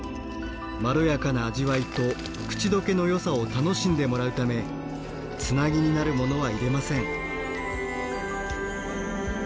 まろやかな味わいと口溶けのよさを楽しんでもらうためつなぎになるものは入れません。